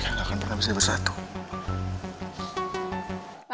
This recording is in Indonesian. mondi hanya bisa jadi kakak diri raya